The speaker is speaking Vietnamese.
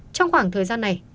trong khoảng thời gian này